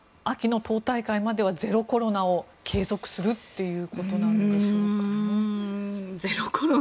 秋の党大会まではゼロコロナを継続するということなんでしょうか。